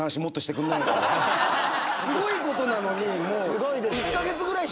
すごいことなのに。